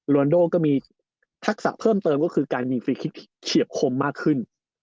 วันโดก็มีทักษะเพิ่มเติมก็คือการยิงฟรีคลิกเฉียบคมมากขึ้น